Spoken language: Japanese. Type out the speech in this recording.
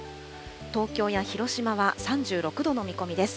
東京や広島は３６度の見込みです。